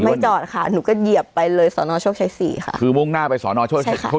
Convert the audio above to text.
ไม่จอดค่ะหนูก็เหยียบไปเลยสนชกชัย๔ค่ะคือมุ่งหน้าไปสนชกชัย๔